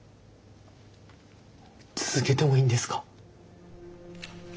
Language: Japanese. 続けてもいいんですか？